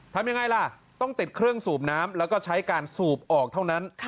ทำยังไงล่ะต้องติดเครื่องสูบน้ำแล้วก็ใช้การสูบออกเท่านั้น